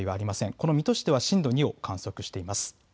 この水戸市では震度２を観測しています。